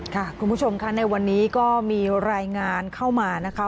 คุณผู้ชมค่ะในวันนี้ก็มีรายงานเข้ามานะคะ